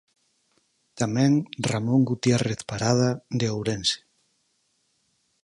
Tamén Ramón Gutierrez Parada, de Ourense.